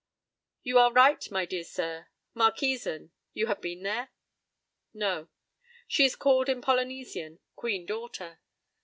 p> "You are right, my dear sir. Marquesan. You have been there?" "No." "She is called in Polynesian, 'Queen Daughter.'